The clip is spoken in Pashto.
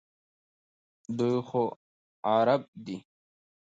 دوی خو عرب دي.